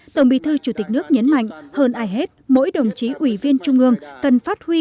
tổng bí thư chủ tịch nước nhấn mạnh hơn ai hết mỗi đồng chí ủy viên trung ương cần phát huy